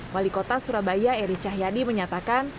wali kota surabaya eri cahyadi menyatakan